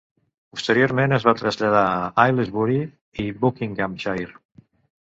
Posteriorment, es va traslladar a Aylesbury, a Buckinghamshire.